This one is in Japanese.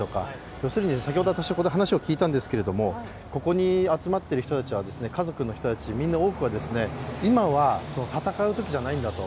要するに、先ほど私は、ここで話を聞いたんですけど、ここにあつまつている人たちは家族の人たち、みんな多くは今は戦うときじゃないんだと。